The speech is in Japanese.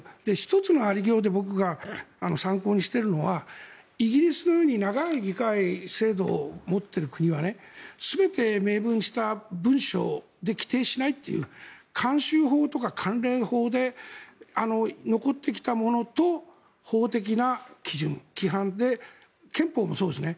１つの有り様で僕が参考にしているのはイギリスのように長い議会制度を持っている国は全て明文化した文書で規定しないという慣習法とか関連法で残ってきたものと法的な基準、規範で憲法もそうですね